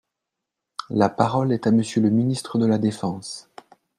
La parole est à Monsieur le ministre de la défense.